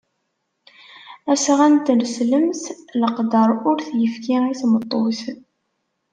Asɣan n tneslemt leqder ur t-yefki i tmeṭṭut.